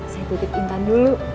saya tutip intan dulu